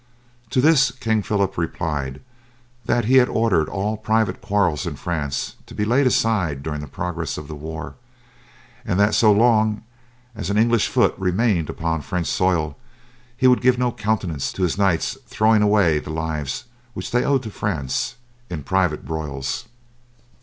To this King Phillip replied that he had ordered all private quarrels in France to be laid aside during the progress of the war, and that so long as an English foot remained upon French soil he would give no countenance to his knights throwing away the lives which they owed to France, in private broils.